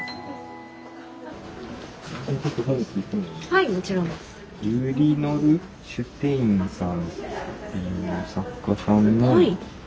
はいもちろんです。